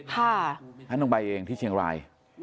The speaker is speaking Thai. ท่านต้องไปเองที่เชียงราย